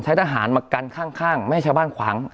ทหารมากันข้างไม่ให้ชาวบ้านขวาง